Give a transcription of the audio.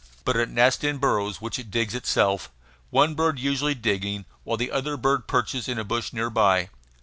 But it nests in burrows which it digs itself, one bird usually digging, while the other bird perches in a bush near by.